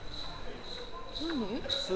何？